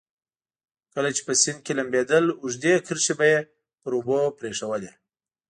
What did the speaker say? کله چې په سیند کې لمبېدل اوږدې کرښې به یې پر اوبو پرېښوولې.